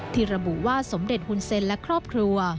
ที่ระบุว่าสมเด็จฮุนเซ็นและครอบครัว